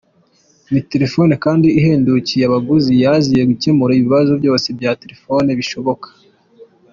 Ni telefoni kandi ihendukiye abaguzi, yaziye gukemura ibibazo byose bya telefoni bishoboka.